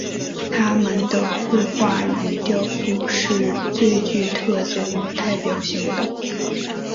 他们的绘画与雕塑是最具特色与代表性的。